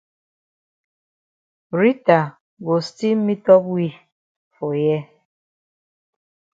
Rita go still meetup we for here.